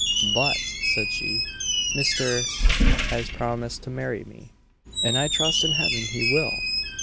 "But," said she, "Mr. has promised to marry me, and I trust in heaven he will!"